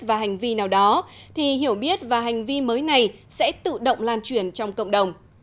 và hành vi nào đó thì hiểu biết và hành vi mới này sẽ tự động lan truyền trong cộng đồng